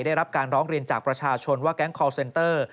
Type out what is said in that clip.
ได้รับการร้องเรียนจากประชาชนว่าแก๊งคอลเซนเตอร์